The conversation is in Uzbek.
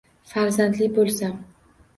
Farzandli bo‘lsam…